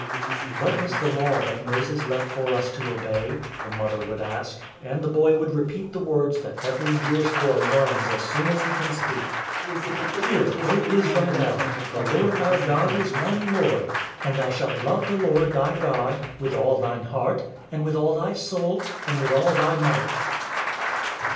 " What was the law that Moses left for us to obey?" the mother would ask, and the boy would repeat the words that every Jewish boy learns as soon as he can speak. "Hear, O Israel: The Lord our God is one Lord: And thou shalt love the Lord, thy God : With all thine heart; And with all thy soul, And with all thy might."